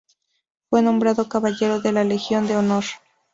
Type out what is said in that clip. Fue nombrado Caballero de la Legión de Honor.